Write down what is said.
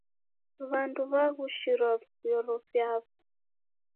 W'andu wagushirwa vyoro vaw'o.